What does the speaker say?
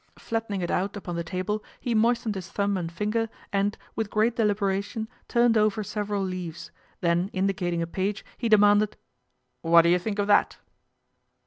Flattening it out upon 230 PATRICIA BRENT, SPINSTER the table he moistened his thumb and finger and, with great deliberation, turned over several leaves, then indicating a page he demanded :" What do you think of that